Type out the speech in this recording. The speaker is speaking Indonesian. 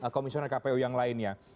komisioner kpu yang lainnya